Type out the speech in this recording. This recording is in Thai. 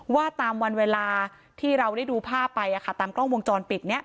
ว่าตามวันเวลาที่เราได้ดูภาพไปตามกล้องวงจรปิดนี้